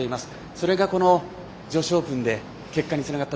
それが女子オープンで結果につながった。